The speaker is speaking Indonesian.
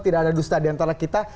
tidak ada dusta diantara kita